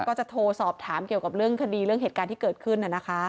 ก็จะโทรสอบถามเกี่ยวกับเรื่องคดีเรื่องเหตุการณ์ที่เกิดขึ้น